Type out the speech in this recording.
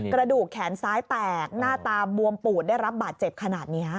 กระดูกแขนซ้ายแตกหน้าตาบวมปูดได้รับบาดเจ็บขนาดนี้